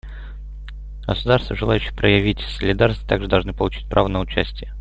Государства, желающие проявить солидарность, также должны получить право на участие.